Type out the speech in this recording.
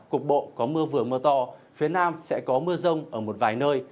cục bộ có mưa vừa mưa to phía nam sẽ có mưa rông ở một vài nơi